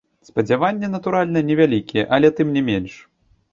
Спадзяванні, натуральна, невялікія, але, тым не менш.